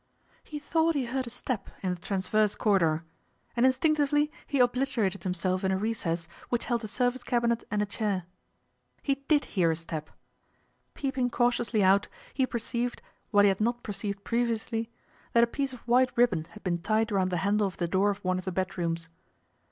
He thought he heard a step in the transverse corridor, and instinctively he obliterated himself in a recess which held a service cabinet and a chair. He did hear a step. Peeping cautiously out, he perceived, what he had not perceived previously, that a piece of white ribbon had been tied round the handle of the door of one of the bedrooms.